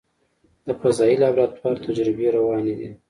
د فضایي لابراتوار تجربې روانې دي.